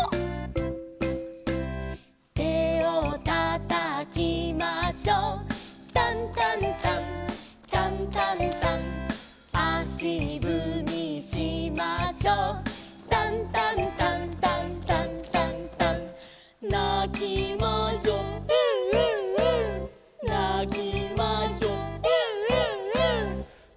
「手を叩きましょう」「タンタンタンタンタンタン」「足ぶみしましょう」「タンタンタンタンタンタンタン」「なきましょうエンエンエン」「なきましょうエンエンエン」